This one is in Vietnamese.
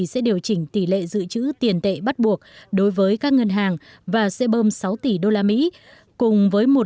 sẽ điều chỉnh tỷ lệ dự trữ tiền tệ bắt buộc đối với các ngân hàng và sẽ bơm sáu tỷ usd cùng với một